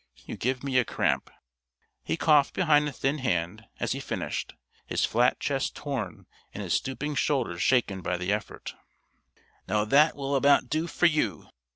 You give me a cramp." He coughed behind a thin hand as he finished, his flat chest torn and his stooping shoulders shaken by the effort. "Now that will about do for you!"